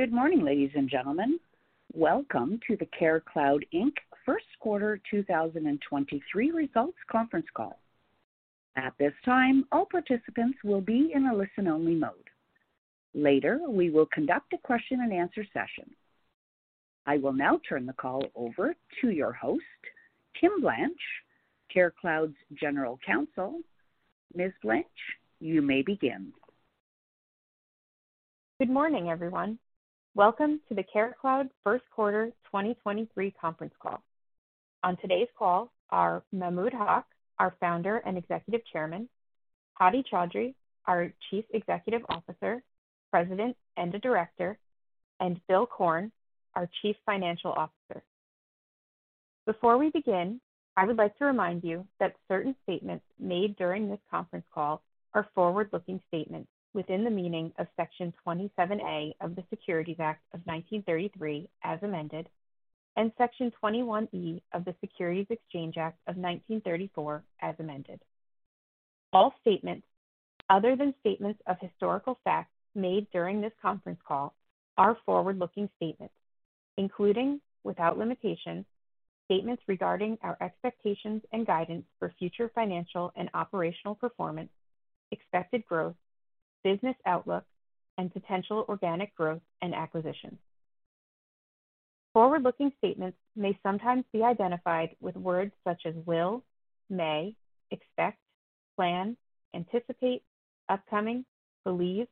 Good morning, ladies and gentlemen. Welcome to the CareCloud, Inc. First Quarter 2023 Results Conference Call. At this time, all participants will be in a listen-only mode. Later, we will conduct a question-and-answer session. I will now turn the call over to your host, Kimberly Blanche, CareCloud's General Counsel. Ms. Blanche, you may begin. Good morning, everyone. Welcome to the CareCloud First Quarter 2023 conference call. On today's call are Mahmud Haq, our Founder and Executive Chairman, Hadi Chaudhry, our Chief Executive Officer, President, and a Director, and Bill Korn, our Chief Financial Officer. Before we begin, I would like to remind you that certain statements made during this conference call are forward-looking statements within the meaning of Section 27A of the Securities Act of 1933, as amended, and Section 21E of the Securities Exchange Act of 1934, as amended. All statements other than statements of historical facts made during this conference call are forward-looking statements, including, without limitation, statements regarding our expectations and guidance for future financial and operational performance, expected growth, business outlook, and potential organic growth and acquisitions. Forward-looking statements may sometimes be identified with words such as will, may, expect, plan, anticipate, upcoming, believe,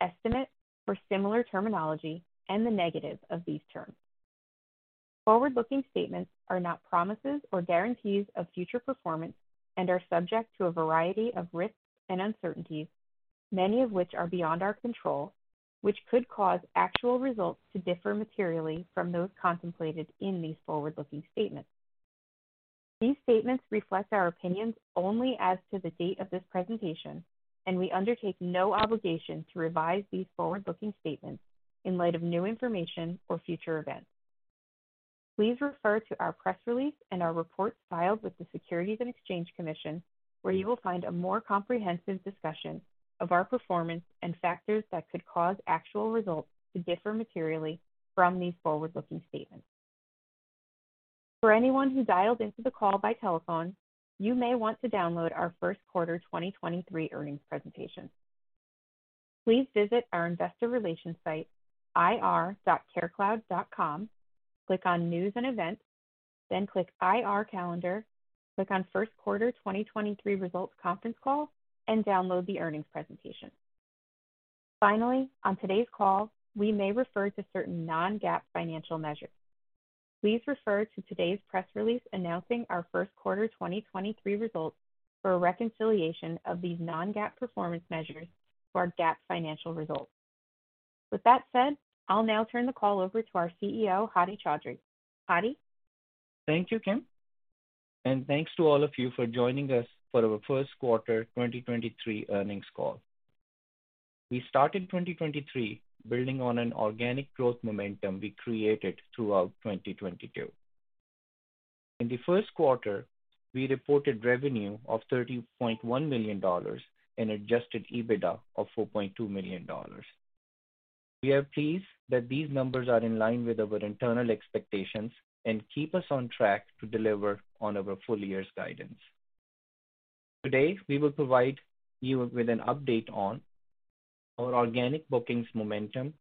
estimate, or similar terminology, and the negative of these terms. Forward-looking statements are not promises or guarantees of future performance and are subject to a variety of risks and uncertainties, many of which are beyond our control, which could cause actual results to differ materially from those contemplated in these forward-looking statements. These statements reflect our opinions only as to the date of this presentation, and we undertake no obligation to revise these forward-looking statements in light of new information or future events. Please refer to our press release and our report filed with the Securities and Exchange Commission, where you will find a more comprehensive discussion of our performance and factors that could cause actual results to differ materially from these forward-looking statements. For anyone who dialed into the call by telephone, you may want to download our first quarter 2023 earnings presentation. Please visit our investor relations site, ir.carecloud.com, click on News and Events, then click IR Calendar, click on First Quarter 2023 Results Conference Call, and download the earnings presentation. Finally, on today's call, we may refer to certain non-GAAP financial measures. Please refer to today's press release announcing our first quarter 2023 results for a reconciliation of these non-GAAP performance measures to our GAAP financial results. With that said, I'll now turn the call over to our CEO, Hadi Chaudhry. Hadi. Thank you, Kim. Thanks to all of you for joining us for our first quarter 2023 earnings call. We started 2023 building on an organic growth momentum we created throughout 2022. In the first quarter, we reported revenue of $30.1 million and Adjusted EBITDA of $4.2 million. We are pleased that these numbers are in line with our internal expectations and keep us on track to deliver on our full year's guidance. Today, we will provide you with an update on our organic bookings momentum,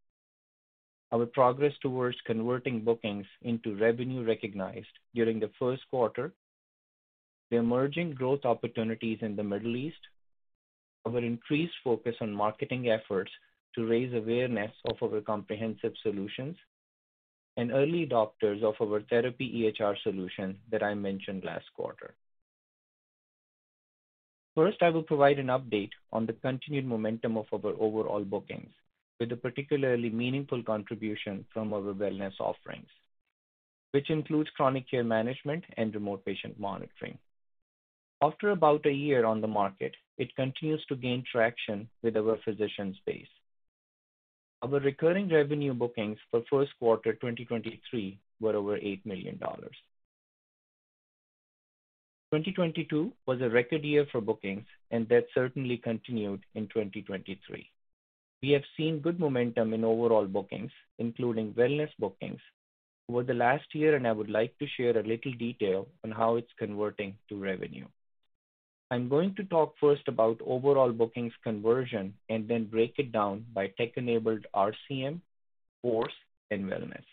our progress towards converting bookings into revenue recognized during the first quarter, the emerging growth opportunities in the Middle East, our increased focus on marketing efforts to raise awareness of our comprehensive solutions, and early adopters of our therapy EHR solution that I mentioned last quarter. First, I will provide an update on the continued momentum of our overall bookings with a particularly meaningful contribution from our wellness offerings, which includes chronic care management and remote patient monitoring. After about a year on the market, it continues to gain traction with our physician space. Our recurring revenue bookings for first quarter 2023 were over $8 million. 2022 was a record year for bookings, and that certainly continued in 2023. We have seen good momentum in overall bookings, including wellness bookings, over the last year, and I would like to share a little detail on how it's converting to revenue. I'm going to talk first about overall bookings conversion and then break it down by tech-enabled RCM, Force, and wellness.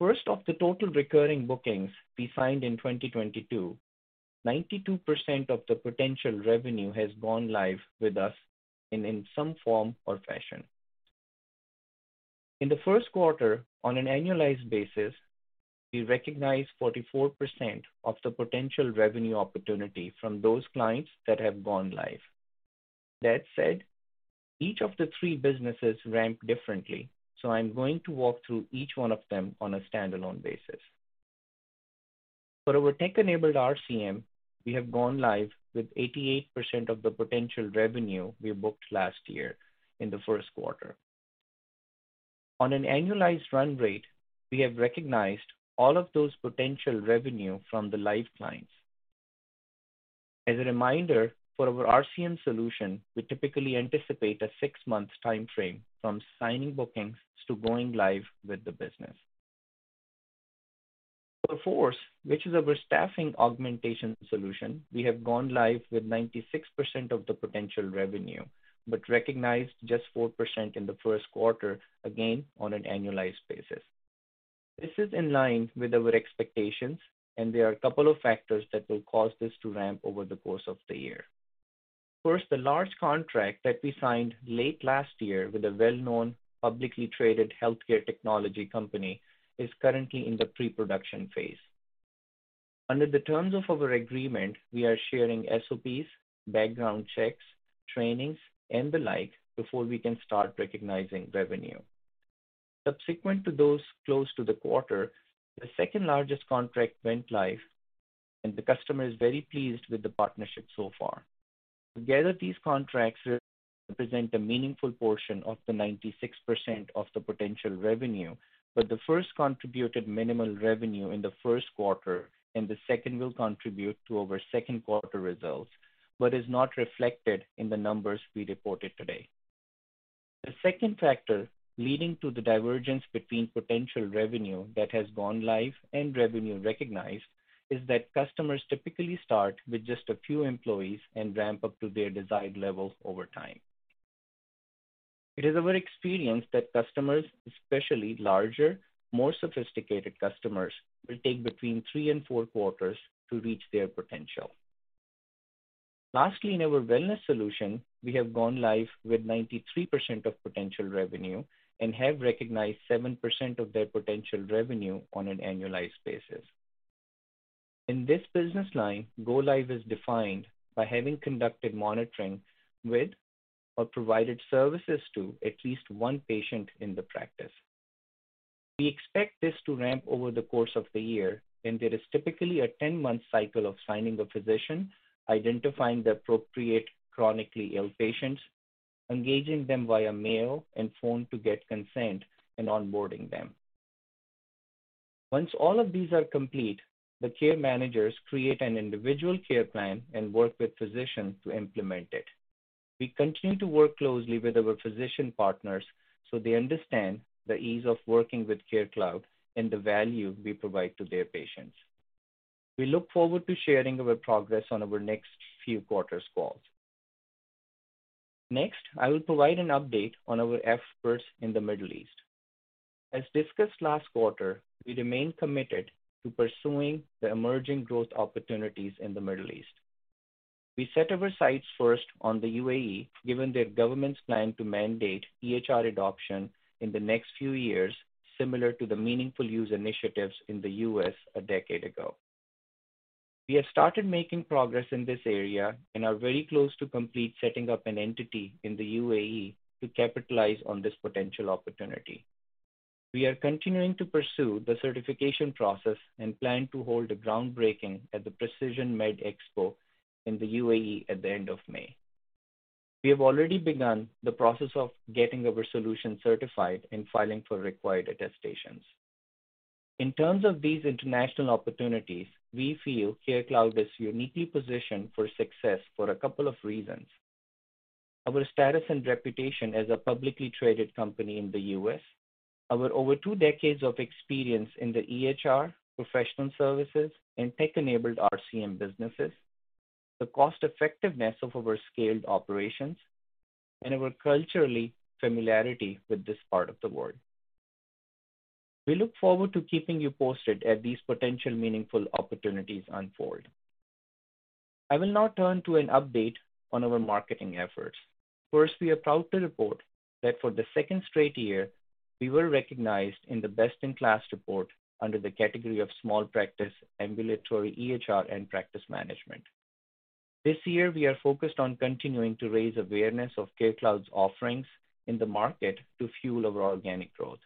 First, of the total recurring bookings we signed in 2022, 92% of the potential revenue has gone live with us in some form or fashion. In the first quarter, on an annualized basis, we recognized 44% of the potential revenue opportunity from those clients that have gone live. Each of the three businesses ramp differently, so I'm going to walk through each one of them on a standalone basis. For our tech-enabled RCM, we have gone live with 88% of the potential revenue we booked last year in the first quarter. On an annualized run rate, we have recognized all of those potential revenue from the live clients. As a reminder, for our RCM solution, we typically anticipate a six-month timeframe from signing bookings to going live with the business. For FORCE, which is our staffing augmentation solution, we have gone live with 96% of the potential revenue, but recognized just 4% in the first quarter, again, on an annualized basis. This is in line with our expectations. There are a couple of factors that will cause this to ramp over the course of the year. First, the large contract that we signed late last year with a well-known, publicly traded healthcare technology company is currently in the pre-production phase. Under the terms of our agreement, we are sharing SOPs, background checks, trainings, and the like before we can start recognizing revenue. Subsequent to those close to the quarter, the second-largest contract went live and the customer is very pleased with the partnership so far. Together, these contracts represent a meaningful portion of the 96% of the potential revenue, but the first contributed minimal revenue in the first quarter and the second will contribute to our second quarter results, but is not reflected in the numbers we reported today. The second factor leading to the divergence between potential revenue that has gone live and revenue recognized is that customers typically start with just a few employees and ramp up to their desired levels over time. It is our experience that customers, especially larger, more sophisticated customers, will take between three and four quarters to reach their potential. Lastly, in our wellness solution, we have gone live with 93% of potential revenue and have recognized 7% of their potential revenue on an annualized basis. In this business line, go live is defined by having conducted monitoring with or provided services to at least one patient in the practice. We expect this to ramp over the course of the year, and there is typically a 10-month cycle of signing a physician, identifying the appropriate chronically ill patients, engaging them via mail and phone to get consent, and onboarding them. Once all of these are complete, the care managers create an individual care plan and work with physician to implement it. We continue to work closely with our physician partners so they understand the ease of working with CareCloud and the value we provide to their patients. We look forward to sharing our progress on our next few quarters' calls. Next, I will provide an update on our efforts in the Middle East. As discussed last quarter, we remain committed to pursuing the emerging growth opportunities in the Middle East. We set our sights first on the UAE, given their government's plan to mandate EHR adoption in the next few years, similar to the Meaningful Use initiatives in the U.S. a decade ago. We have started making progress in this area and are very close to complete setting up an entity in the UAE to capitalize on this potential opportunity. We are continuing to pursue the certification process and plan to hold a groundbreaking at the PrecisionMed Expo in the UAE at the end of May. We have already begun the process of getting our solution certified and filing for required attestations. In terms of these international opportunities, we feel CareCloud is uniquely positioned for success for a couple of reasons. Our status and reputation as a publicly traded company in the U.S., our over two decades of experience in the EHR, professional services, and tech-enabled RCM businesses, the cost-effectiveness of our scaled operations, and our culturally familiarity with this part of the world. We look forward to keeping you posted as these potential meaningful opportunities unfold. I will now turn to an update on our marketing efforts. First, we are proud to report that for the second straight year, we were recognized in the best-in-class report under the category of small practice, ambulatory EHR, and practice management. This year, we are focused on continuing to raise awareness of CareCloud's offerings in the market to fuel our organic growth.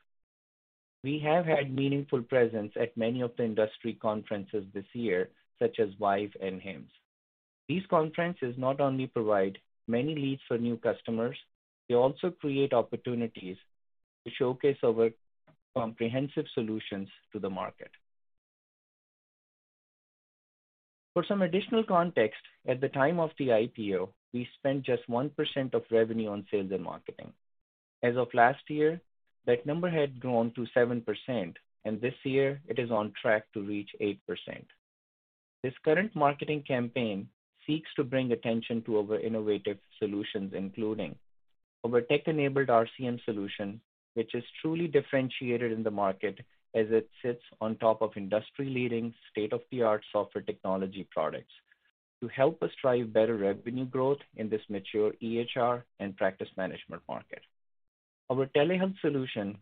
We have had meaningful presence at many of the industry conferences this year, such as ViVE and HIMSS. These conferences not only provide many leads for new customers, they also create opportunities to showcase our comprehensive solutions to the market. For some additional context, at the time of the IPO, we spent just 1% of revenue on sales and marketing. As of last year, that number had grown to 7%, and this year it is on track to reach 8%. This current marketing campaign seeks to bring attention to our innovative solutions, including our tech-enabled RCM solution, which is truly differentiated in the market as it sits on top of industry-leading state-of-the-art software technology products to help us drive better revenue growth in this mature EHR and practice management market. Our telehealth solution,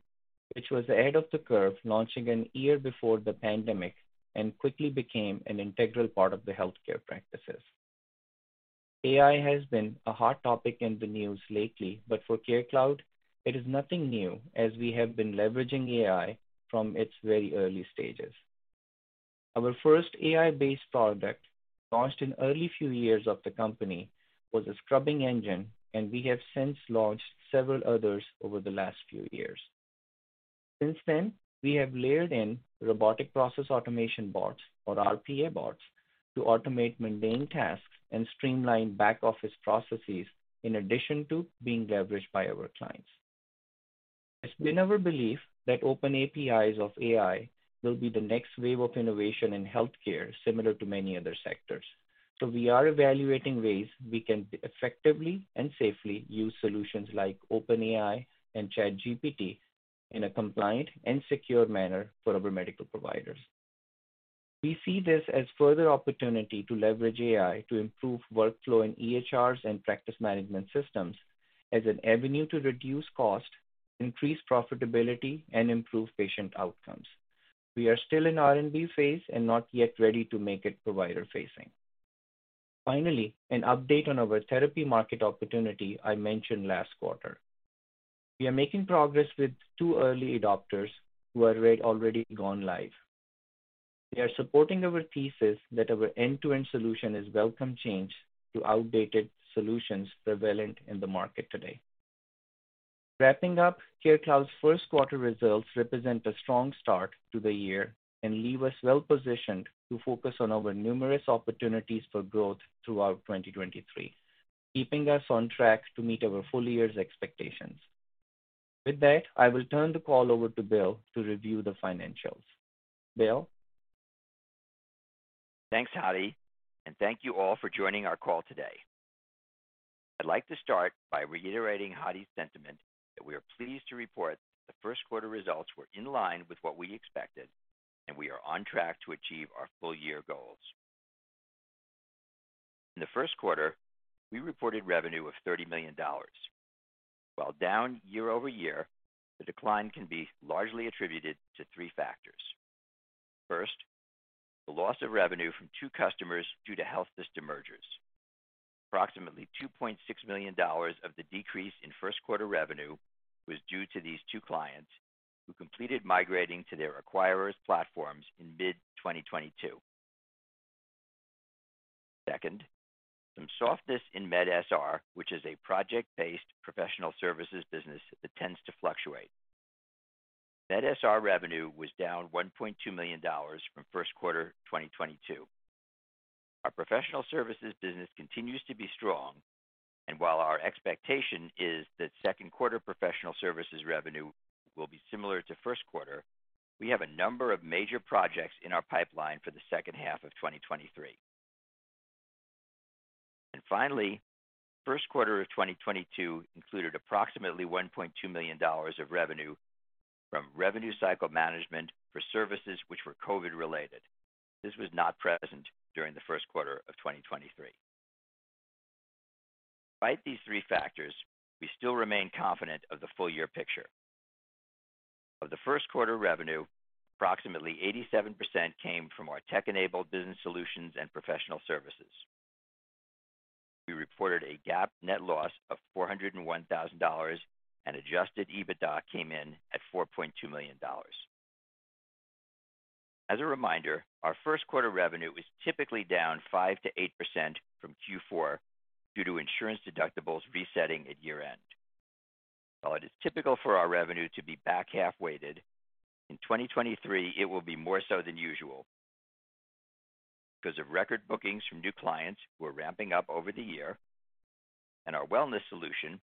which was ahead of the curve launching one year before the pandemic and quickly became an integral part of the healthcare practices. AI has been a hot topic in the news lately. For CareCloud, it is nothing new as we have been leveraging AI from its very early stages. Our first AI-based product, launched in early few years of the company, was a scrubbing engine, and we have since launched several others over the last few years. Since then, we have layered in robotic process automation bots or RPA bots to automate mundane tasks and streamline back-office processes in addition to being leveraged by our clients. It's been our belief that open APIs of AI will be the next wave of innovation in healthcare, similar to many other sectors. We are evaluating ways we can effectively and safely use solutions like OpenAI and ChatGPT in a compliant and secure manner for our medical providers. We see this as further opportunity to leverage AI to improve workflow in EHRs and practice management systems as an avenue to reduce cost, increase profitability, and improve patient outcomes. We are still in R&D phase and not yet ready to make it provider-facing. Finally, an update on our therapy market opportunity I mentioned last quarter. We are making progress with two early adopters who have already gone live. They are supporting our thesis that our end-to-end solution is welcome change to outdated solutions prevalent in the market today. Wrapping up, CareCloud's first quarter results represent a strong start to the year and leave us well-positioned to focus on our numerous opportunities for growth throughout 2023, keeping us on track to meet our full year's expectations. With that, I will turn the call over to Bill to review the financials. Bill? Thanks, Hadi. Thank you all for joining our call today. I'd like to start by reiterating Hadi's sentiment that we are pleased to report the first quarter results were in line with what we expected, and we are on track to achieve our full year goals. In the first quarter, we reported revenue of $30 million. While down year-over-year, the decline can be largely attributed to three factors. First, the loss of revenue from two customers due to health system mergers. Approximately $2.6 million of the decrease in first quarter revenue was due to these two clients who completed migrating to their acquirers' platforms in mid-2022. Second, some softness in medSR, which is a project-based professional services business that tends to fluctuate. medSR revenue was down $1.2 million from first quarter 2022. Our professional services business continues to be strong, and while our expectation is that second quarter professional services revenue will be similar to first quarter, we have a number of major projects in our pipeline for the second half of 2023. Finally, first quarter of 2022 included approximately $1.2 million of revenue from revenue cycle management for services which were COVID related. This was not present during the first quarter of 2023. Despite these three factors, we still remain confident of the full year picture. Of the first quarter revenue, approximately 87% came from our tech-enabled business solutions and professional services. We reported a GAAP net loss of $401,000, and Adjusted EBITDA came in at $4.2 million. As a reminder, our first quarter revenue is typically down 5%-8% from Q4 due to insurance deductibles resetting at year-end. While it is typical for our revenue to be back-half weighted, in 2023 it will be more so than usual because of record bookings from new clients who are ramping up over the year and our wellness solution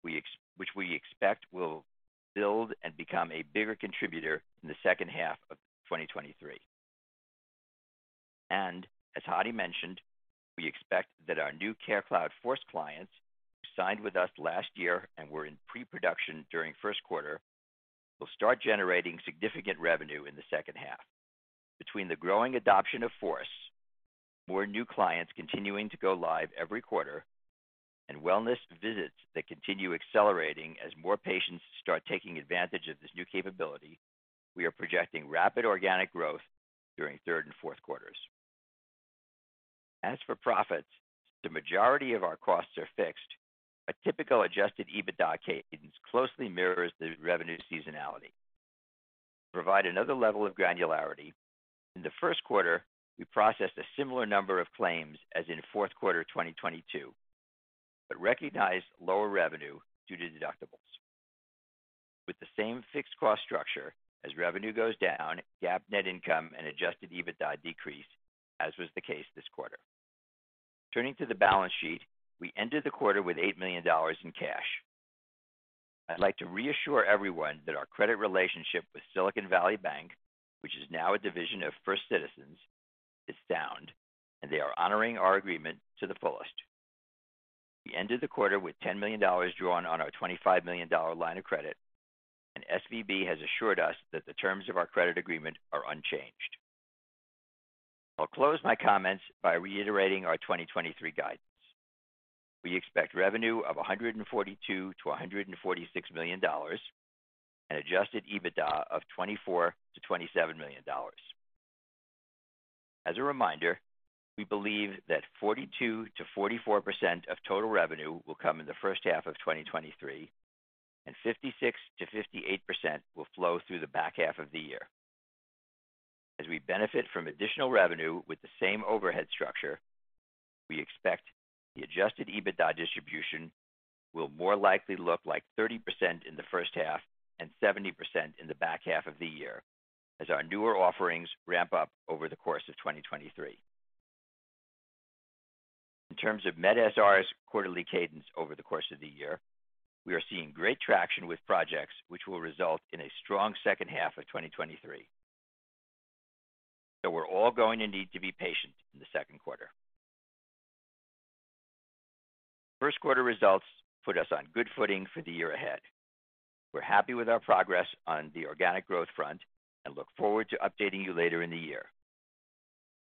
which we expect will build and become a bigger contributor in the second half of 2023. As Hadi mentioned, we expect that our new CareCloud Force clients who signed with us last year and were in pre-production during first quarter will start generating significant revenue in the second half. Between the growing adoption of Force, more new clients continuing to go live every quarter, and wellness visits that continue accelerating as more patients start taking advantage of this new capability, we are projecting rapid organic growth during third and fourth quarters. As for profits, the majority of our costs are fixed. A typical Adjusted EBITDA cadence closely mirrors the revenue seasonality. To provide another level of granularity, in the first quarter, we processed a similar number of claims as in fourth quarter 2022, but recognized lower revenue due to deductibles. With the same fixed cost structure, as revenue goes down, GAAP net income and Adjusted EBITDA decrease, as was the case this quarter. Turning to the balance sheet, we ended the quarter with $8 million in cash. I'd like to reassure everyone that our credit relationship with Silicon Valley Bank, which is now a division of First Citizens, is sound. They are honoring our agreement to the fullest. We ended the quarter with $10 million drawn on our $25 million line of credit. SVB has assured us that the terms of our credit agreement are unchanged. I'll close my comments by reiterating our 2023 guidance. We expect revenue of $142 million-$146 million and Adjusted EBITDA of $24 million-$27 million. As a reminder, we believe that 42%-44% of total revenue will come in the first half of 2023, and 56%-58% will flow through the back half of the year. As we benefit from additional revenue with the same overhead structure, we expect the Adjusted EBITDA distribution will more likely look like 30% in the first half and 70% in the back half of the year as our newer offerings ramp up over the course of 2023. In terms of medSR's quarterly cadence over the course of the year, we are seeing great traction with projects which will result in a strong second half of 2023. We're all going to need to be patient in the second quarter. First quarter results put us on good footing for the year ahead. We're happy with our progress on the organic growth front and look forward to updating you later in the year.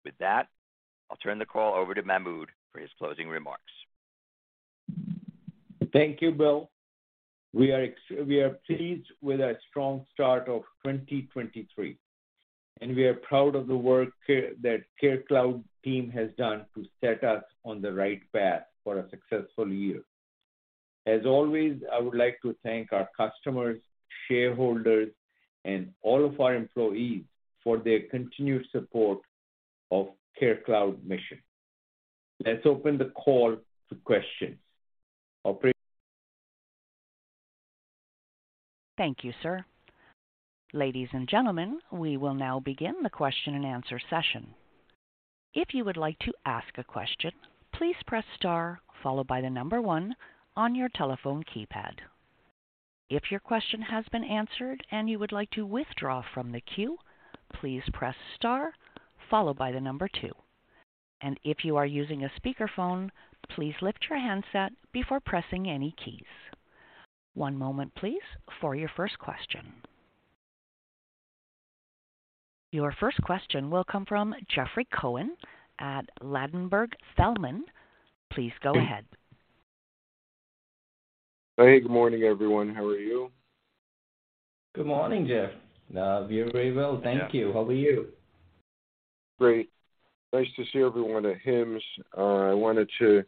With that, I'll turn the call over to Mahmud for his closing remarks. Thank you, Bill. We are pleased with a strong start of 2023. We are proud of the work CareCloud team has done to set us on the right path for a successful year. As always, I would like to thank our customers, shareholders, and all of our employees for their continued support of CareCloud mission. Let's open the call to questions. Operator. Thank you, sir. Ladies and gentlemen, we will now begin the question-and-answer session. If you would like to ask a question, please press star followed by the one on your telephone keypad. If your question has been answered and you would like to withdraw from the queue, please press star followed by the two. If you are using a speakerphone, please lift your handset before pressing any keys. One moment please for your first question. Your first question will come from Jeffrey Cohen at Ladenburg Thalmann. Please go ahead. Hey, good morning, everyone. How are you? Good morning, Jeff. We are very well, thank you. How are you? Great. Nice to see everyone at HIMSS. I wanted to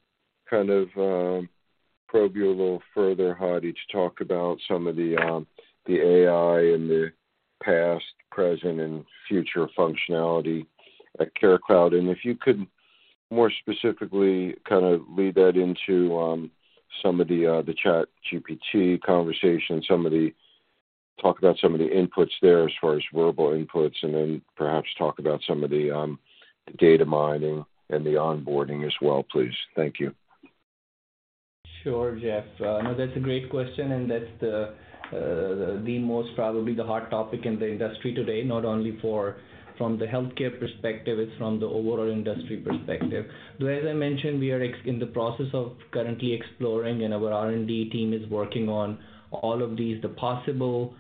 kind of probe you a little further, Hadi, to talk about some of the AI in the past, present, and future functionality at CareCloud. If you could more specifically kind of lead that into some of the ChatGPT conversation, talk about some of the inputs there as far as verbal inputs, and then perhaps talk about some of the data mining and the onboarding as well, please. Thank you. Sure, Jeff. No, that's a great question, and that's the most probably the hot topic in the industry today. Not only for from the healthcare perspective, it's from the overall industry perspective. As I mentioned, we are in the process of currently exploring and our R&D team is working on all of these. The possible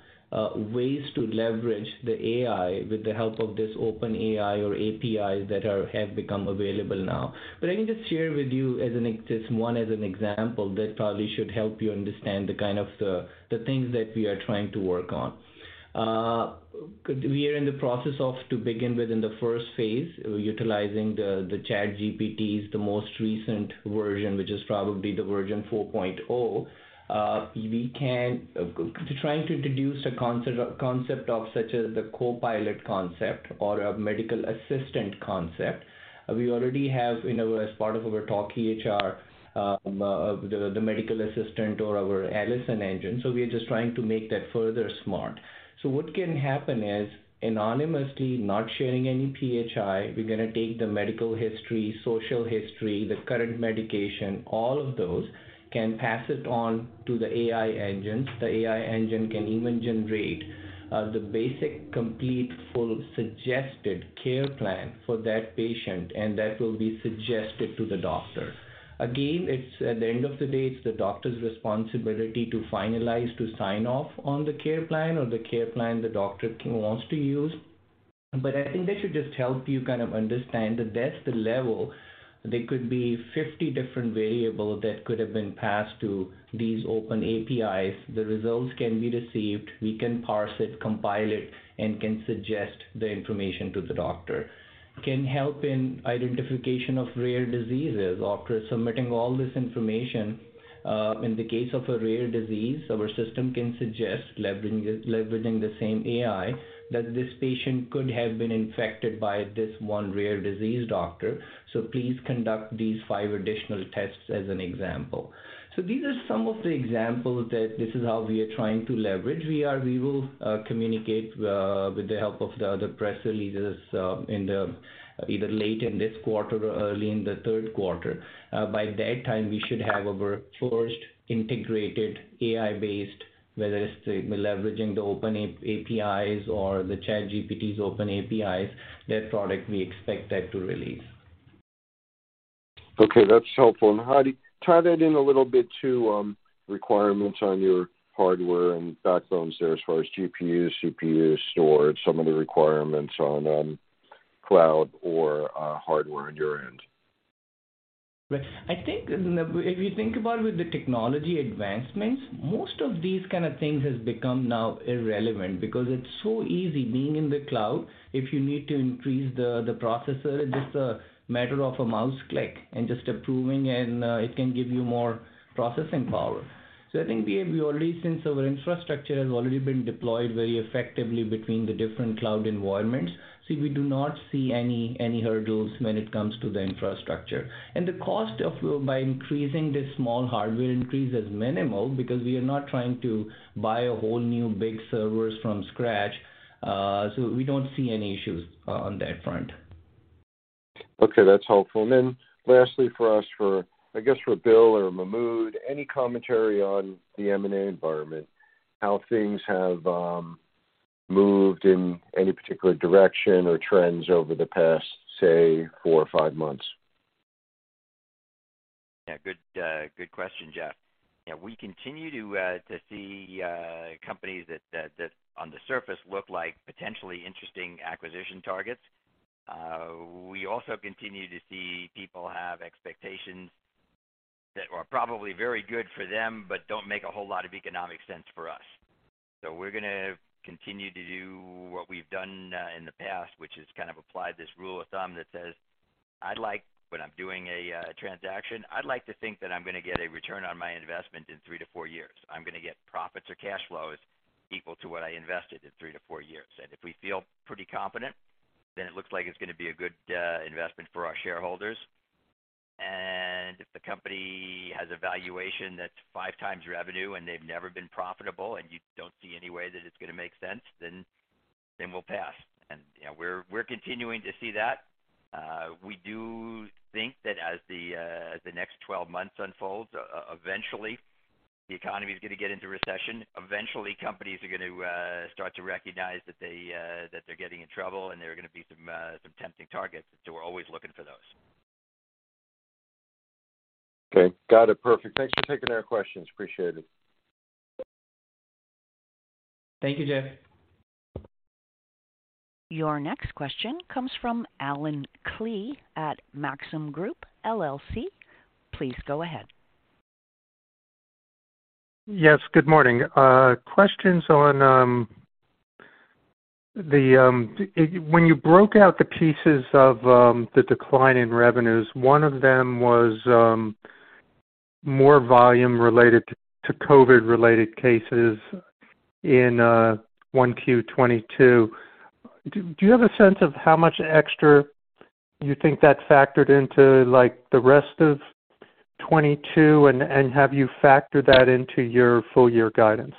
ways to leverage the AI with the help of this OpenAI or APIs that have become available now. Let me just share with you as this one as an example that probably should help you understand the kind of the things that we are trying to work on. We are in the process of to begin with in the first phase, utilizing the ChatGPT's, the most recent version, which is probably the version 4.0. We can... To trying to introduce a concept of such as the copilot concept or a medical assistant concept. We already have in our, as part of our talkEHR, the medical assistant or our Alison engine. We are just trying to make that further smart. What can happen is, anonymously, not sharing any PHI, we're gonna take the medical history, social history, the current medication, all of those, can pass it on to the AI engines. The AI engine can even generate the basic complete full suggested care plan for that patient, and that will be suggested to the doctor. It's at the end of the day, it's the doctor's responsibility to finalize, to sign off on the care plan or the care plan the doctor wants to use. I think that should just help you kind of understand that that's the level. There could be 50 different variable that could have been passed to these open APIs. The results can be received, we can parse it, compile it, and can suggest the information to the doctor. Can help in identification of rare diseases. After submitting all this information, in the case of a rare disease, our system can suggest, leveraging the same AI, that this patient could have been infected by this one rare disease, doctor. Please conduct these five additional tests as an example. These are some of the examples that this is how we are trying to leverage. We will communicate with the help of the other presser releases, in the either late in this quarter or early in the third quarter. By that time, we should have our first integrated AI-based, whether it's the leveraging the open APIs or the ChatGPT's open APIs, that product we expect that to release. Okay. That's helpful. Hadi, tie that in a little bit to requirements on your hardware and backbones there as far as GPUs, CPUs, storage, some of the requirements on cloud or hardware on your end. Right. I think, if you think about with the technology advancements, most of these kind of things has become now irrelevant because it's so easy being in the cloud. If you need to increase the processor, just a matter of a mouse click and just approving, and it can give you more processing power. I think we already since our infrastructure has already been deployed very effectively between the different cloud environments. We do not see any hurdles when it comes to the infrastructure. The cost of increasing the small hardware increase is minimal because we are not trying to buy a whole new big servers from scratch. We don't see any issues on that front. Okay. That's helpful. Then lastly for us I guess for Bill or Mahmud, any commentary on the M&A environment, how things have moved in any particular direction or trends over the past, say, four or five months? Good question, Jeff. We continue to see companies that on the surface look like potentially interesting acquisition targets. We also continue to see people have expectations that are probably very good for them, but don't make a whole lot of economic sense for us. We're gonna continue to do what we've done in the past, which is kind of apply this rule of thumb that says, I'd like when I'm doing a transaction, I'd like to think that I'm gonna get a return on my investment in three to four years. I'm gonna get profits or cash flows equal to what I invested in three to four years. If we feel pretty confident, then it looks like it's gonna be a good investment for our shareholders. If the company has a valuation that's 5x revenue and they've never been profitable, and you don't see any way that it's gonna make sense, then we'll pass. You know, we're continuing to see that. We do think that as the next 12-months unfolds, eventually the economy is gonna get into recession. Eventually, companies are going to start to recognize that they're getting in trouble, and there are gonna be some tempting targets. We're always looking for those. Okay. Got it. Perfect. Thanks for taking our questions. Appreciate it. Thank you, Jeff. Your next question comes from Allen Klee at Maxim Group LLC. Please go ahead. Yes, good morning. Questions on the When you broke out the pieces of the decline in revenues, one of them was more volume related to COVID-related cases in 1Q 2022. Do you have a sense of how much extra you think that factored into like the rest of 2022? Have you factored that into your full year guidance?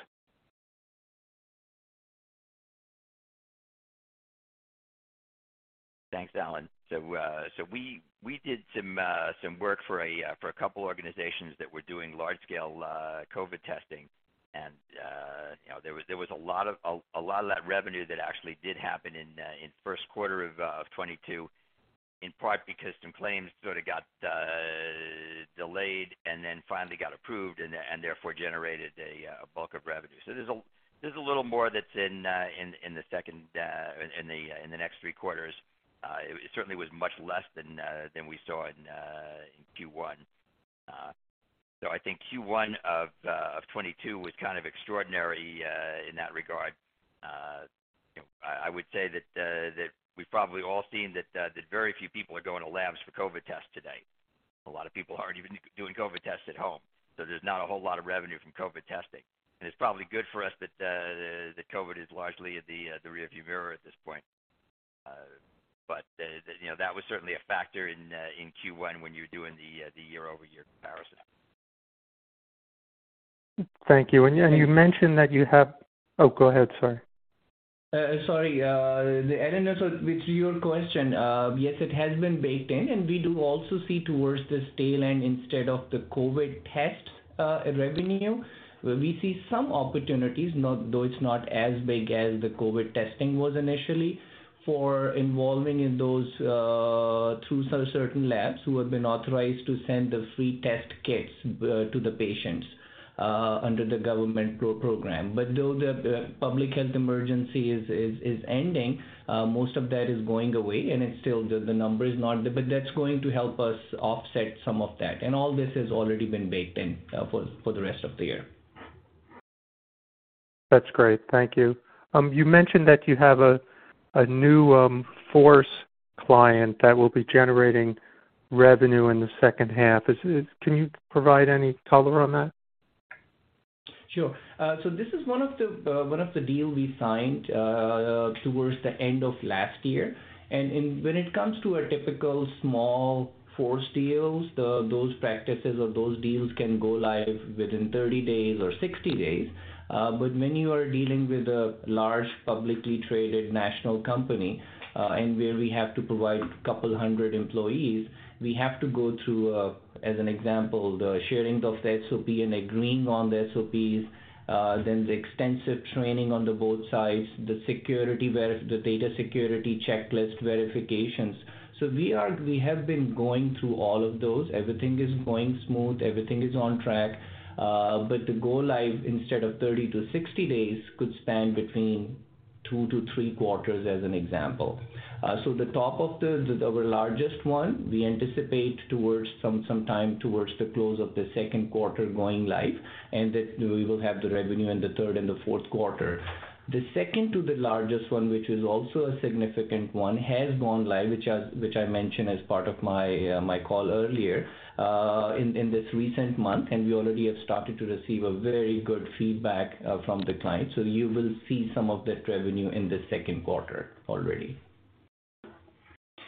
Thanks, Allen. We did some work for a couple organizations that were doing large scale COVID testing. You know, there was a lot of that revenue that actually did happen in first quarter of 2022, in part because some claims sort of got delayed and then finally got approved and, therefore generated a bulk of revenue. There's a little more that's in the second, in the next three quarters. It certainly was much less than we saw in Q1. I think Q1 of 2022 was kind of extraordinary in that regard. You know, I would say that we've probably all seen that very few people are going to labs for COVID tests today. A lot of people aren't even doing COVID tests at home. There's not a whole lot of revenue from COVID testing. It's probably good for us that COVID is largely at the rearview mirror at this point. You know, that was certainly a factor in Q1 when you're doing the year-over-year comparison. Thank you. You mentioned that you have... Oh, go ahead, sorry. Sorry. Allen, with your question, yes, it has been baked in, and we do also see towards this tail end instead of the COVID test revenue. We see some opportunities, though it's not as big as the COVID testing was initially for involving in those through certain labs who have been authorized to send the free test kits to the patients under the government program. Though the public health emergency is ending, most of that is going away, and it's still the number is not but that's going to help us offset some of that. All this has already been baked in for the rest of the year. That's great. Thank you. You mentioned that you have a new Force client that will be generating revenue in the second half. Can you provide any color on that? Sure. This is one of the, one of the deal we signed, towards the end of last year. When it comes to a typical small Force deals, those practices or those deals can go live within 30 days or 60 days. When you are dealing with a large, publicly traded national company, and where we have to provide a couple hundred employees, we have to go through, as an example, the sharing of SOP and agreeing on the SOPs, then the extensive training on the both sides, the data security checklist verifications. We have been going through all of those. Everything is going smooth, everything is on track. To go live instead of 30 to 60 days could span between two to three quarters as an example. our largest one, we anticipate towards sometime towards the close of the second quarter going live, and that we will have the revenue in the third and the fourth quarter. The second to the largest one, which is also a significant one, has gone live, which I mentioned as part of my call earlier in this recent month. We already have started to receive a very good feedback from the clients. You will see some of that revenue in the second quarter already.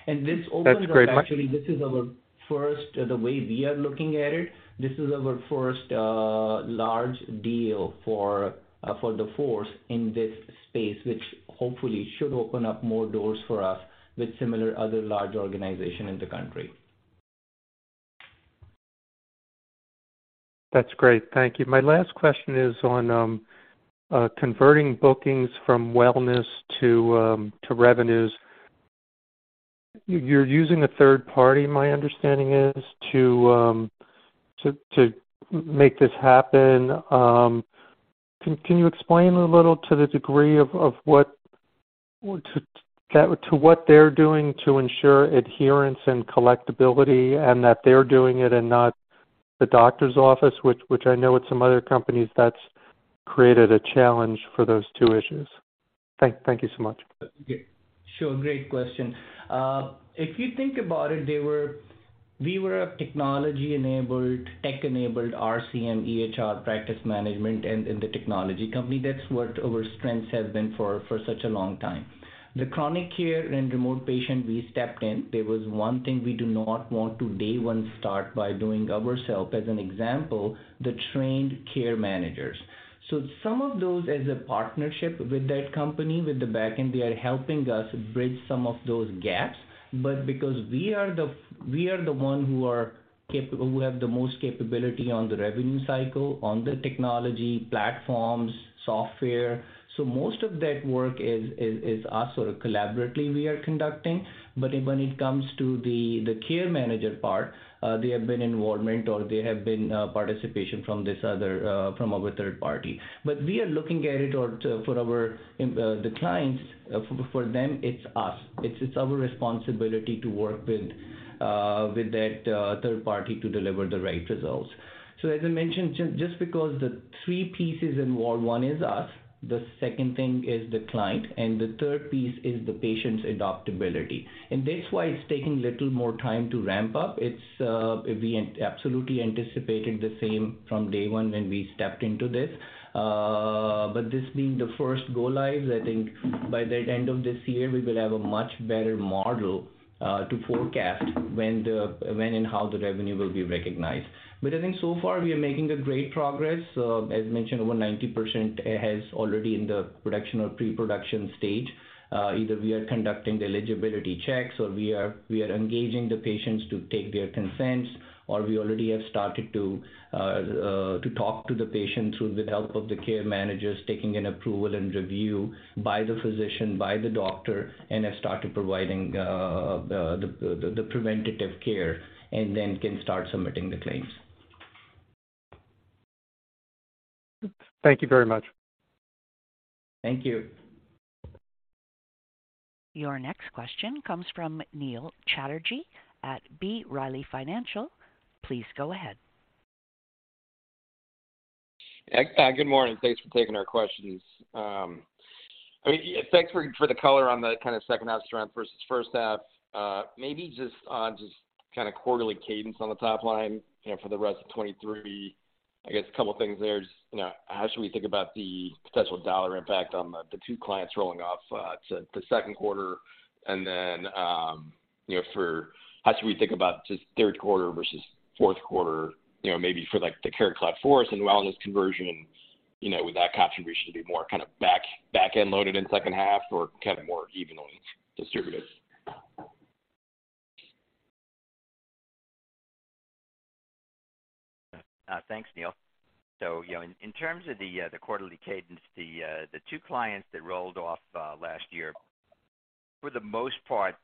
That's great. This opens up. Actually, this is our first, the way we are looking at it, this is our first large deal for the Force in this space, which hopefully should open up more doors for us with similar other large organization in the country. That's great. Thank you. My last question is on converting bookings from wellness to revenues. You're using a third party, my understanding is, to make this happen. Can you explain a little to the degree of what they're doing to ensure adherence and collectability and that they're doing it and not the doctor's office? Which I know with some other companies that's created a challenge for those two issues. Thank you so much. Okay. Sure. Great question. If you think about it, we were a technology-enabled, tech-enabled RCM, EHR practice management and the technology company. That's what our strengths have been for such a long time. The chronic care and remote patient we stepped in, there was one thing we do not want to day one start by doing ourselves, as an example, the trained care managers. Some of those, as a partnership with that company, with the back end, they are helping us bridge some of those gaps. Because we are the one who have the most capability on the revenue cycle, on the technology platforms, software. Most of that work is us sort of collaboratively we are conducting. When it comes to the care manager part, there have been involvement or there have been participation from this other from our third party. We are looking at it, or for our the clients, for them, it's us. It's our responsibility to work with that third party to deliver the right results. As I mentioned, just because the three pieces involved, one is us, the second thing is the client, and the third piece is the patient's adoptability. That's why it's taking little more time to ramp up. We absolutely anticipated the same from day 1 when we stepped into this. This being the first go lives, I think by the end of this year, we will have a much better model to forecast when and how the revenue will be recognized. I think so far we are making a great progress. As mentioned, over 90% has already in the production or pre-production stage. Either we are conducting the eligibility checks or we are engaging the patients to take their consents, or we already have started to talk to the patients with the help of the care managers, taking an approval and review by the physician, by the doctor, and have started providing the preventative care and then can start submitting the claims. Thank you very much. Thank you. Your next question comes from Neil Chatterji at B. Riley Financial. Please go ahead. Good morning. Thanks for taking our questions. I mean, thanks for the color on the kind of second half strength versus first half. Maybe just on just kind of quarterly cadence on the top line, you know, for the rest of 2023. I guess a couple of things there. You know, how should we think about the potential dollar impact on the two clients rolling off to the second quarter? Then, you know, for how should we think about just third quarter versus fourth quarter, you know, maybe for like the CareCloud Force and wellness conversion, you know, would that contribution be more kind of back-end loaded in second half or kind of more evenly distributed? Thanks, Neil. You know, in terms of the quarterly cadence, the two clients that rolled off last year, for the most part,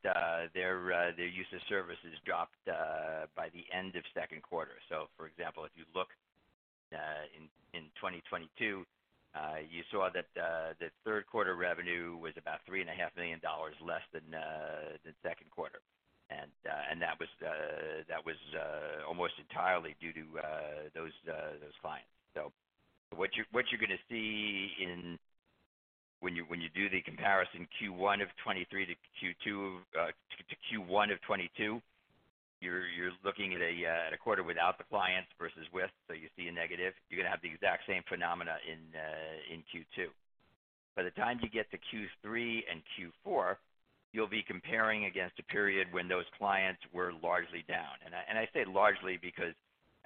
their use of services dropped by the end of second quarter. For example, if you look in 2022, you saw that the third quarter revenue was about $3,500,000 less than second quarter. That was almost entirely due to those clients. What you're gonna see when you do the comparison Q1 of 2023 to Q1 of 2022, you're looking at a quarter without the clients versus with, so you see a negative. You're gonna have the exact same phenomena in Q2. By the time you get to Q3 and Q4, you'll be comparing against a period when those clients were largely down. I say largely because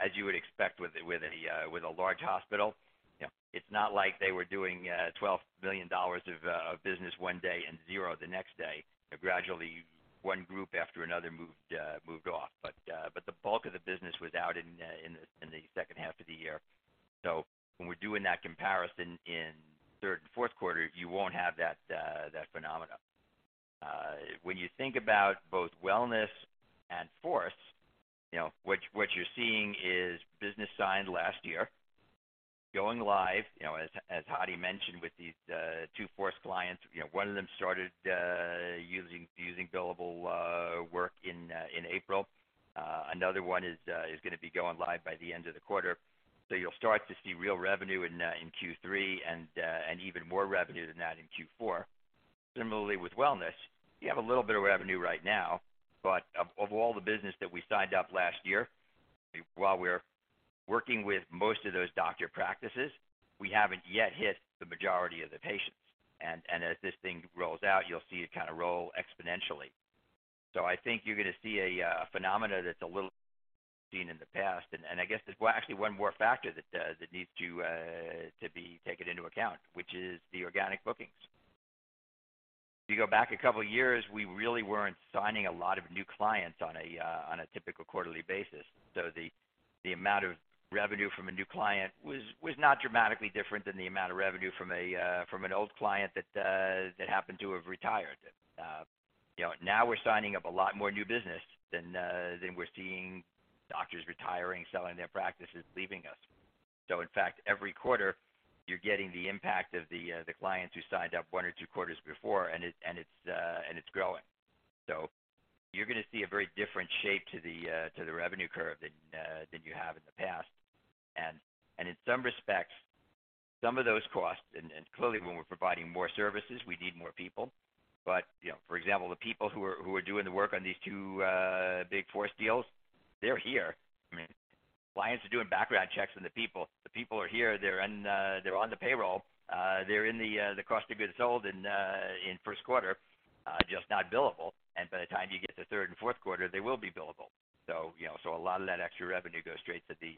as you would expect with a large hospital, you know, it's not like they were doing $12 million of business one day and zero the next day. Gradually, one group after another moved off. The bulk of the business was out in the second half of the year. When we're doing that comparison in third and fourth quarter, you won't have that phenomena. When you think about both wellness and force, you know, what you're seeing is business signed last year, going live, you know, as Hadi mentioned, with these two force clients. You know, one of them started using billable work in April. Another one is gonna be going live by the end of the quarter. You'll start to see real revenue in Q3 and even more revenue than that in Q4. Similarly, with wellness, we have a little bit of revenue right now, but of all the business that we signed up last year, while we're working with most of those doctor practices, we haven't yet hit the majority of the patients. As this thing rolls out, you'll see it kind of roll exponentially. I think you're gonna see a phenomena that's a little seen in the past. I guess there's actually one more factor that needs to be taken into account, which is the organic bookings. You go back a couple years, we really weren't signing a lot of new clients on a typical quarterly basis. The amount of revenue from a new client was not dramatically different than the amount of revenue from an old client that happened to have retired. You know, now we're signing up a lot more new business than we're seeing doctors retiring, selling their practices, leaving us. In fact, every quarter you're getting the impact of the clients who signed up one or two quarters before, and it's, and it's, and it's growing. You're gonna see a very different shape to the revenue curve than you have in the past. In some respects, some of those costs, clearly, when we're providing more services, we need more people. You know, for example, the people who are doing the work on these two big Force deals, they're here. I mean, clients are doing background checks on the people. The people are here. They're on, they're on the payroll. They're in the cost of goods sold in 1st quarter, just not billable. By the time you get to third and fourth quarter, they will be billable. You know, so a lot of that extra revenue goes straight to the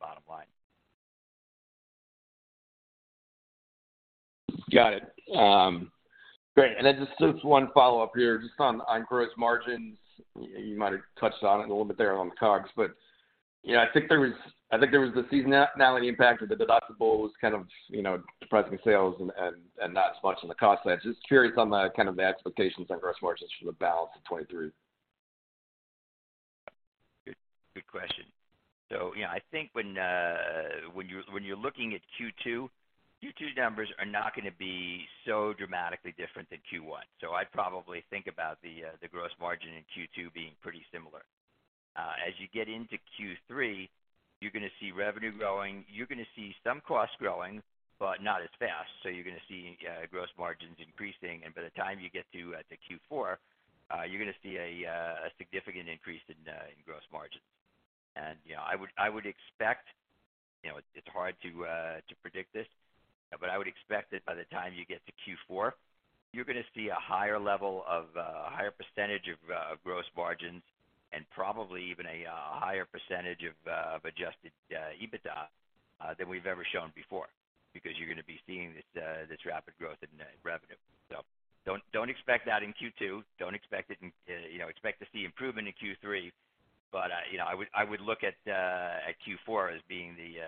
bottom line. Got it. great. Then just one follow-up here, just on gross margins. You might have touched on it a little bit there on the cogs, but, you know, I think there was the seasonality impact of the deductibles kind of, you know, depressing sales and not as much on the cost side. Just curious on the kind of the expectations on gross margins for the balance of 2023? Good, good question. You know, I think when you're looking at Q2 numbers are not gonna be so dramatically different than Q1. I'd probably think about the gross margin in Q2 being pretty similar. As you get into Q3, you're gonna see revenue growing. You're gonna see some costs growing, but not as fast. You're gonna see gross margins increasing. By the time you get to Q4, you're gonna see a significant increase in gross margins. You know, I would, I would expect, you know... It's hard to predict this, but I would expect that by the time you get to Q4, you're gonna see a higher level of a higher percentage of gross margins and probably even a higher percentage of Adjusted EBITDA than we've ever shown before because you're gonna be seeing this rapid growth in revenue. Don't expect that in Q2. Don't expect it in, you know, expect to see improvement in Q3. You know, I would, I would look at Q4 as being the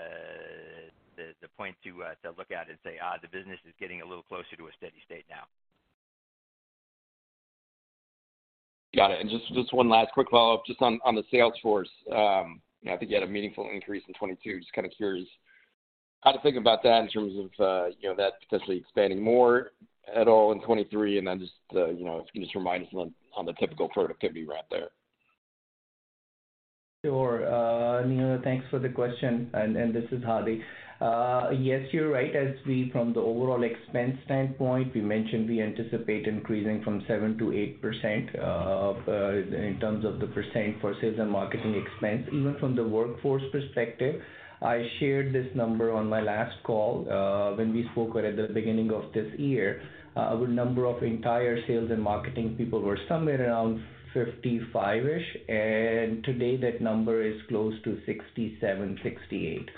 the point to look at and say, "The business is getting a little closer to a steady state now. Got it. Just one last quick follow-up just on the sales force. You know, I think you had a meaningful increase in 2022. Just kind of curious how to think about that in terms of, you know, that potentially expanding more at all in 2023. Just, you know, if you can just remind us on the typical productivity ramp there. Sure. Neil, thanks for the question, and this is Hadi. Yes, you're right. From the overall expense standpoint, we mentioned we anticipate increasing from 7% to 8% of in terms of the percent for sales and marketing expense. Even from the workforce perspective, I shared this number on my last call when we spoke at the beginning of this year. Our number of entire sales and marketing people were somewhere around 55-ish, and today that number is close to 67, 68.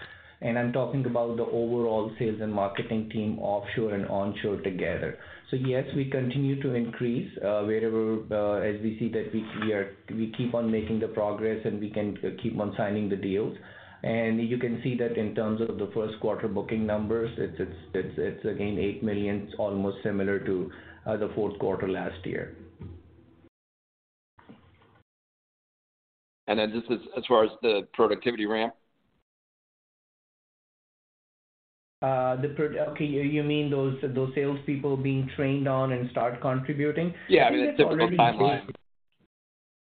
I'm talking about the overall sales and marketing team, offshore and onshore together. Yes, we continue to increase wherever as we see that we keep on making the progress, and we can keep on signing the deals. You can see that in terms of the first quarter booking numbers, it's again $8 million, almost similar to the fourth quarter last year. Just as far as the productivity ramp? Okay, you mean those salespeople being trained on and start contributing? Yeah, I mean, the typical timeline. I think that's already good.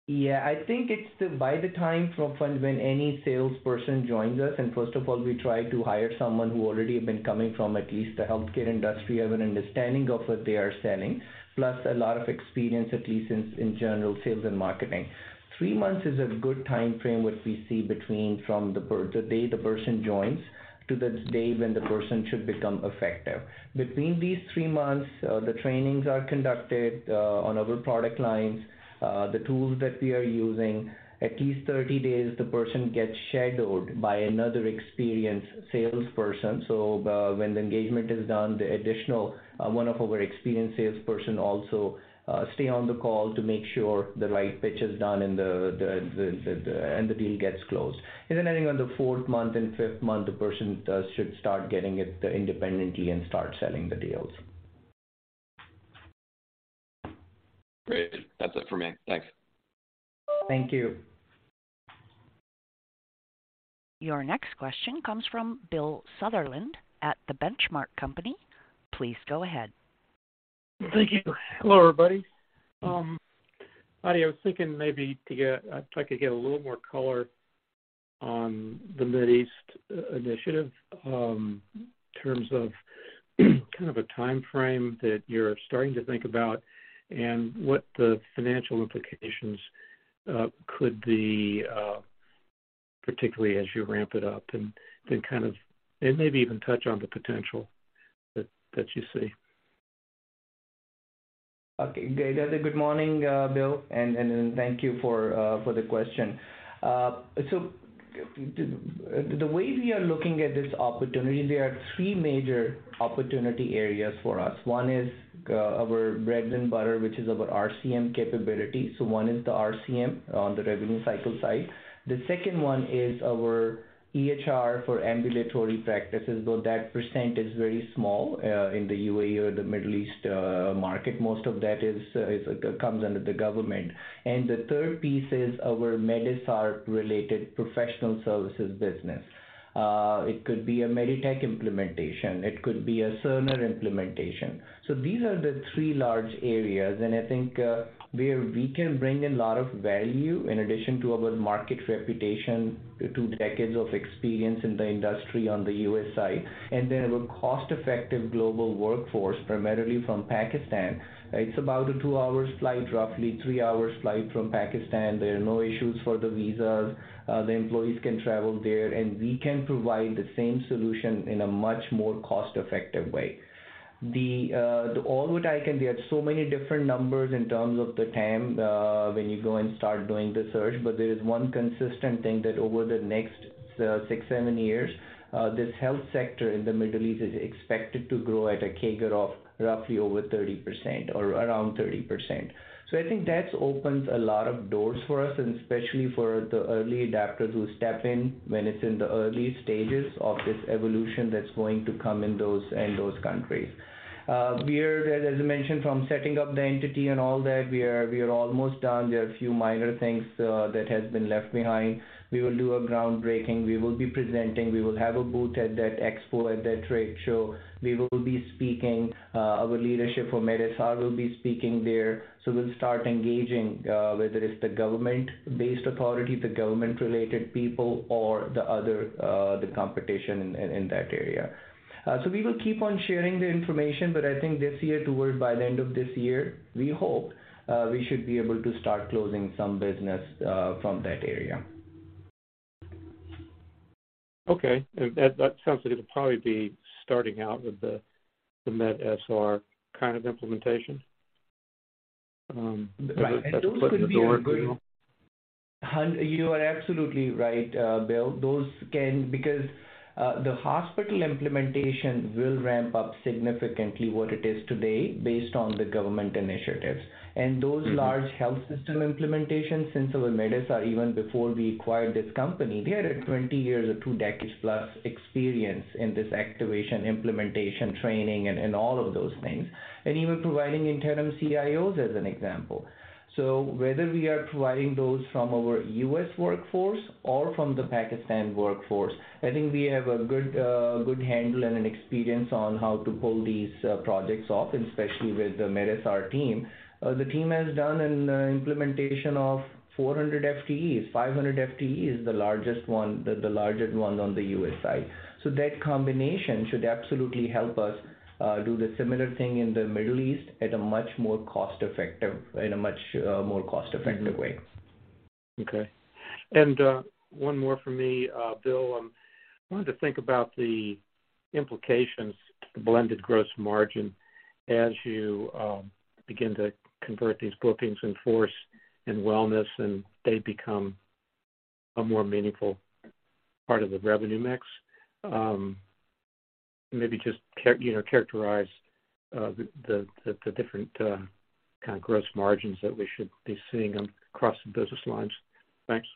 Yeah. I think it's the by the time from when any salesperson joins us, First of all, we try to hire someone who already have been coming from at least the healthcare industry, have an understanding of what they are selling, plus a lot of experience, at least in general, sales and marketing. three months is a good timeframe what we see between from the day the person joins to the day when the person should become effective. Between these three months, the trainings are conducted, on our product lines, the tools that we are using. At least 30 days, the person gets shadowed by another experienced salesperson. When the engagement is done, the additional, one of our experienced salesperson also, stay on the call to make sure the right pitch is done and the deal gets closed. I think on the fourth month and fifth month, the person should start getting it independently and start selling the deals. Great. That's it for me. Thanks. Thank you. Your next question comes from Bill Sutherland at The Benchmark Company. Please go ahead. Thank you. Hello, everybody. I was thinking maybe if I could get a little more color on the Mid East initiative, in terms of kind of a timeframe that you're starting to think about and what the financial implications could be, particularly as you ramp it up and then maybe even touch on the potential that you see? Okay, great. Good morning, Bill, and thank you for the question. The way we are looking at this opportunity, there are three major opportunity areas for us. One is our bread and butter, which is our RCM capability. One is the RCM on the revenue cycle side. The second one is our EHR for ambulatory practices, though that % is very small in the UAE or the Middle East market. Most of that comes under the government. The third piece is our medSR-related professional services business. It could be a Meditech implementation. It could be a Cerner implementation. These are the three large areas, and I think, where we can bring a lot of value in addition to our market reputation, two decades of experience in the industry on the U.S. side, and then a cost-effective global workforce, primarily from Pakistan. It's about a two-hour flight, roughly three-hour flight from Pakistan. There are no issues for the visas. The employees can travel there, and we can provide the same solution in a much more cost-effective way. The all what I can... There are so many different numbers in terms of the TAM, when you go and start doing the search, but there is one consistent thing that over the next, six, seven years, this health sector in the Middle East is expected to grow at a CAGR of roughly over 30% or around 30%. I think that opens a lot of doors for us and especially for the early adopters who step in when it's in the early stages of this evolution that's going to come in those countries. We are, as I mentioned, from setting up the entity and all that, we are almost done. There are a few minor things that has been left behind. We will do a groundbreaking. We will be presenting. We will have a booth at that expo, at that trade show. We will be speaking, our leadership for medSR will be speaking there. We'll start engaging, whether it's the government-based authority, the government-related people or the other, the competition in that area. We will keep on sharing the information, but I think this year toward by the end of this year, we hope, we should be able to start closing some business, from that area. Okay. That sounds like it'll probably be starting out with the medSR kind of implementation. Right. Those could be a good- Does that put the door open for you? You are absolutely right, Bill. The hospital implementation will ramp up significantly what it is today based on the government initiatives. Those large health system implementations into the medSR even before we acquired this company, we had a 20 years or two decades-plus experience in this activation, implementation, training, and all of those things. Even providing interim CIOs as an example. Whether we are providing those from our U.S. workforce or from the Pakistan workforce, I think we have a good good handle and an experience on how to pull these projects off, and especially with the medSR team. The team has done an implementation of 400 FTEs. 500 FTE is the largest one, the largest one on the US side. That combination should absolutely help us do the similar thing in the Middle East at a much more cost-effective, in a much more cost-effective way. Okay. One more for me, Bill. Wanted to think about the implications to the blended gross margin as you begin to convert these bookings in Force in wellness, and they become a more meaningful part of the revenue mix. Maybe just you know, characterize the different kind of gross margins that we should be seeing across the business lines. Thanks.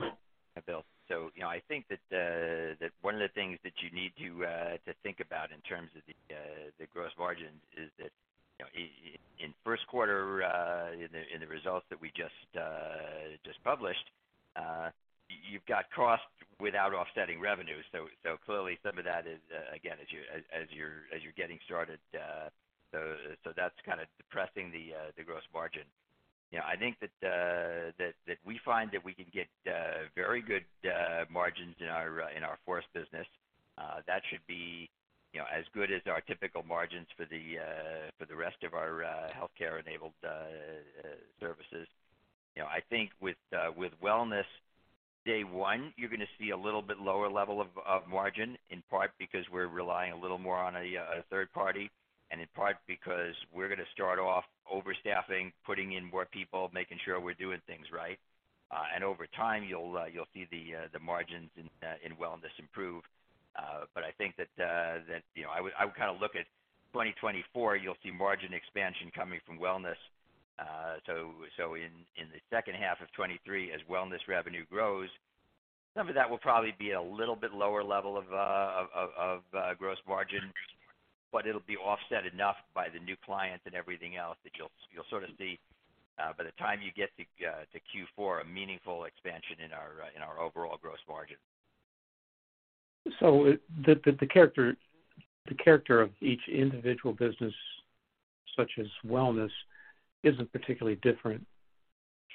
Hi, Bill. You know, I think that one of the things that you need to think about in terms of the gross margin is that, you know, in first quarter, in the results that we just published, you've got costs without offsetting revenue. Clearly some of that is again, as you're getting started, so that's kind of depressing the gross margin. You know, I think that we find that we can get very good margins in our Force business. That should be, you know, as good as our typical margins for the rest of our healthcare-enabled services. You know, I think with wellness, day one, you're going to see a little bit lower level of margin, in part because we're relying a little more on a third party, and in part because we're going to start off overstaffing, putting in more people, making sure we're doing things right. Over time, you'll see the margins in wellness improve. I think that, you know... I would kind of look at 2024, you'll see margin expansion coming from wellness. In the second half of 2023, as wellness revenue grows. Some of that will probably be a little bit lower level of gross margin. It'll be offset enough by the new clients and everything else that you'll sort of see by the time you get to Q4, a meaningful expansion in our overall gross margin. The character of each individual business, such as wellness, isn't particularly different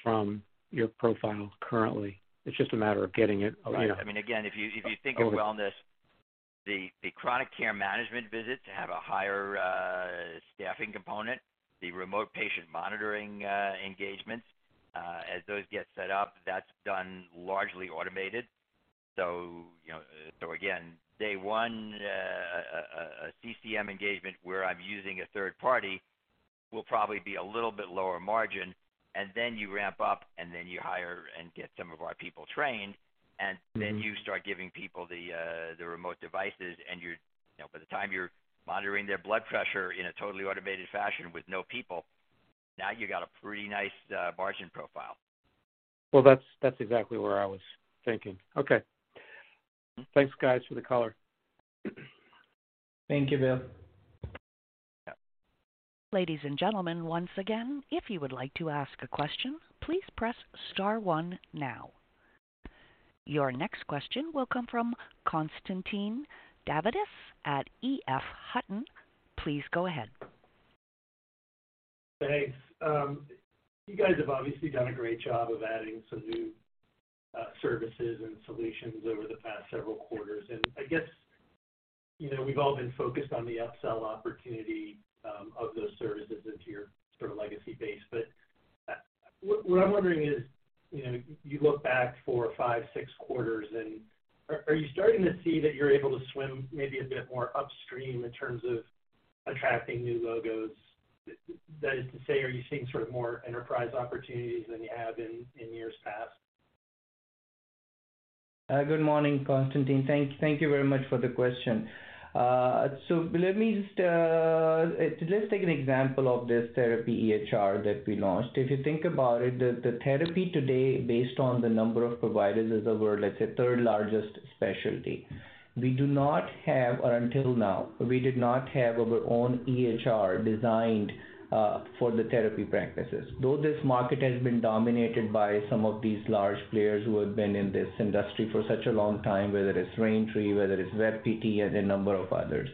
from your profile currently. It's just a matter of getting it, you know. Right. I mean, again, if you think of wellness, the chronic care management visits have a higher staffing component. The remote patient monitoring engagements, as those get set up, that's done largely automated. You know, again, day one, a CCM engagement where I'm using a third party will probably be a little bit lower margin. Then you ramp up, then you hire and get some of our people trained. You start giving people the remote devices, and you're, you know, by the time you're monitoring their blood pressure in a totally automated fashion with no people, now you've got a pretty nice margin profile. Well, that's exactly where I was thinking. Okay. Thanks, guys, for the color. Thank you, Bill. Ladies and gentlemen, once again, if you would like to ask a question, please press star one now. Your next question will come from Constantine Davides at EF Hutton. Please go ahead. Thanks. You guys have obviously done a great job of adding some new services and solutions over the past several quarters. I guess, you know, we've all been focused on the upsell opportunity of those services into your sort of legacy base. What, what I'm wondering is, you know, you look back four, five, six quarters and are you starting to see that you're able to swim maybe a bit more upstream in terms of attracting new logos? That is to say, are you seeing sort of more enterprise opportunities than you have in years past? Good morning, Constantine. Thank you very much for the question. Let me just, let's take an example of this therapy EHR that we launched. If you think about it, the therapy today, based on the number of providers, is our, let's say, third-largest specialty. We do not have, or until now, we did not have our own EHR designed for the therapy practices. Though this market has been dominated by some of these large players who have been in this industry for such a long time, whether it's Raintree, whether it's WebPT and a number of others.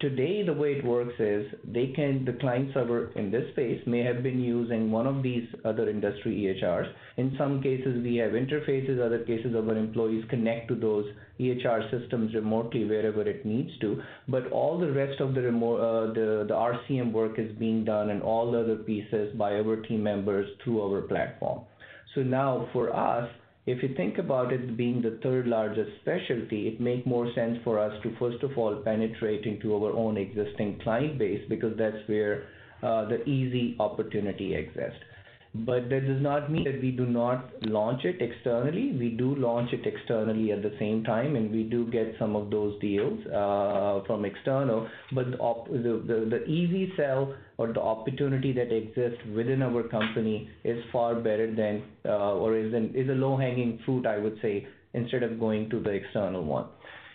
Today, the way it works is the clients that were in this space may have been using one of these other industry EHRs. In some cases we have interfaces, other cases our employees connect to those EHR systems remotely wherever it needs to. All the rest of the RCM work is being done and all the other pieces by our team members through our platform. Now for us, if you think about it being the third largest specialty, it make more sense for us to, first of all, penetrate into our own existing client base, because that's where the easy opportunity exists. That does not mean that we do not launch it externally. We do launch it externally at the same time, and we do get some of those deals from external. The easy sell or the opportunity that exists within our company is far better than, or is an, is a low-hanging fruit, I would say, instead of going to the external one.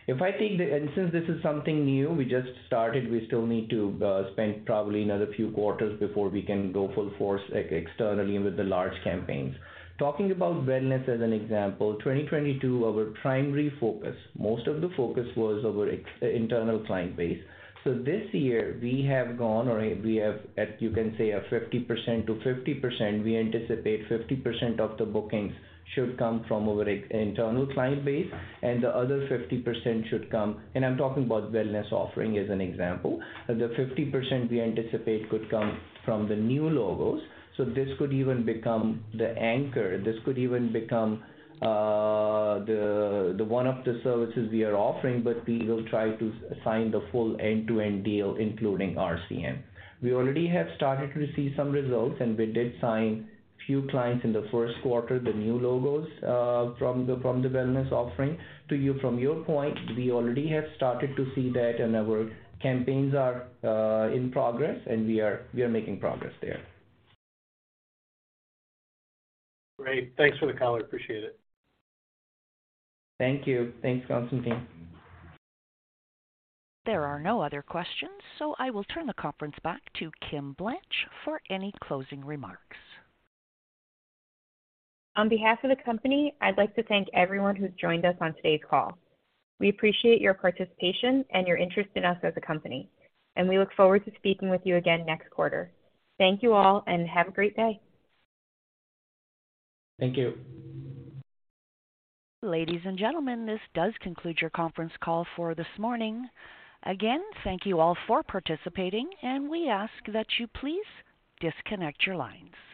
If I take the-- Since this is something new, we just started, we still need to spend probably another few quarters before we can go full force, like externally with the large campaigns. Talking about wellness as an example, 2022, our primary focus, most of the focus was our internal client base. This year we have, as you can say, a 50% to 50%. We anticipate 50% of the bookings should come from our internal client base, and the other 50% should come... I'm talking about wellness offering as an example. The 50% we anticipate could come from the new logos. This could even become the anchor. This could even become the one of the services we are offering, but we will try to sign the full end-to-end deal, including RCM. We already have started to see some results, and we did sign few clients in the first quarter, the new logos, from the wellness offering. To you, from your point, we already have started to see that and our campaigns are in progress, and we are making progress there. Great. Thanks for the color. Appreciate it. Thank you. Thanks, Constantine. There are no other questions, so I will turn the conference back to Kimberly Blanche for any closing remarks. On behalf of the company, I'd like to thank everyone who's joined us on today's call. We appreciate your participation and your interest in us as a company. We look forward to speaking with you again next quarter. Thank you all. Have a great day. Thank you. Ladies and gentlemen, this does conclude your conference call for this morning. Again, thank you all for participating, and we ask that you please disconnect your lines.